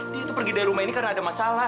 dia itu pergi dari rumah ini karena ada masalah